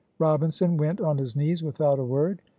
Robinson went on his knees without a word.